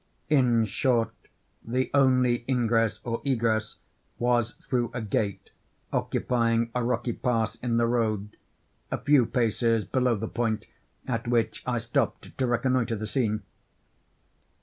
In short, the only ingress or egress was through a gate occupying a rocky pass in the road, a few paces below the point at which I stopped to reconnoitre the scene.